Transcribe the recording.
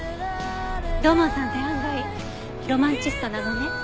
土門さんって案外ロマンチストなのね。